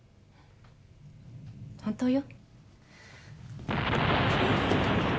本当よ。